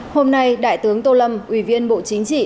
hôm nay đại tướng tô lâm ủy viên bộ chính trị